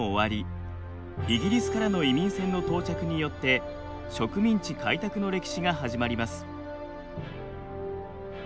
イギリスからの移民船の到着によって植民地開拓の歴史が始まります。